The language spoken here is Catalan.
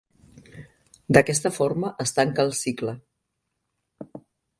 D'aquesta forma es tanca el cicle.